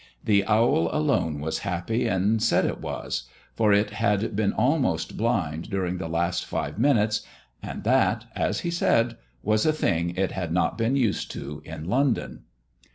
The owl alone was happy, and said it was; for it had been almost blind during the last five minutes; "and that," as he said, "was a thing it had not been used to in London."